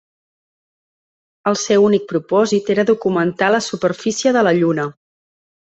El seu únic propòsit era documentar la superfície de la Lluna.